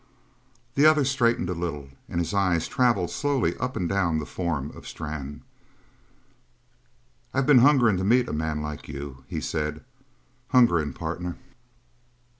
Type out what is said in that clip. The other straightened a little, and his eyes travelled slowly up and down the form of Strann. "I been hungering to meet a man like you," he said. "Hungerin', partner."